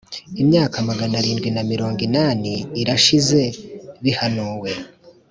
Imyaka magana arindwi na mirongo inani irashize bihanuwe